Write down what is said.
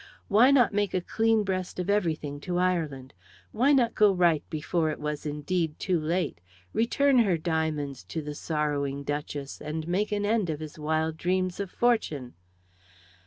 Why not make a clean breast of everything to Ireland? Why not go right before it was, indeed, too late return her diamonds to the sorrowing Duchess, and make an end of his wild dreams of fortune?